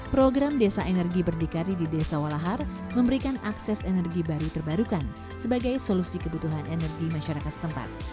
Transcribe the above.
program desa energi berdikari di desa walahar memberikan akses energi baru terbarukan sebagai solusi kebutuhan energi masyarakat setempat